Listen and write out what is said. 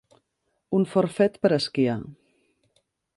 Un forfet per a esquiar.